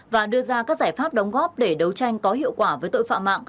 và đưa ra các giải pháp đóng góp để đấu tranh có hiệu quả với tội phạm mạng